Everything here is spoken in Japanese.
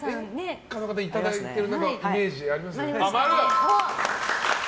演歌の方いただいてるイメージありますね。